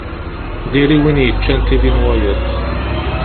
Diri win yeččan tidi n wayeḍ.